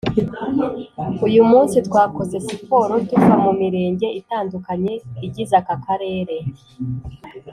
uyu munsi twakoze siporo tuva mu mirenge itandukanye igize aka karere